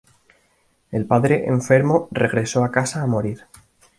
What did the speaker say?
El padre, enfermo, regresó a casa a morir.